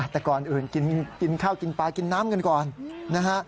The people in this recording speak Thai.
แต่ก่อนอื่นกินข้าวกินปลากินน้ำกันก่อนนะฮะ